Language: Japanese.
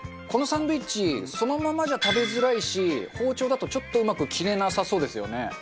このサンドイッチそのままじゃ食べづらいし包丁だとちょっとうまく切れなさそうですよね。